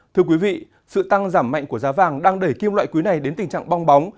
thưa quý vị sự tăng giảm mạnh của giá vàng đang đẩy kim loại quý này đến tình trạng bong bóng